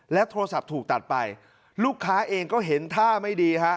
โทรศัพท์ถูกตัดไปลูกค้าเองก็เห็นท่าไม่ดีฮะ